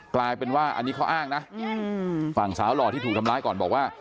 กลายเป็นว่าอันนี้เขาอ้างนะฝั่งสาวหล่อที่ถูกทำร้ายก่อนบอกว่า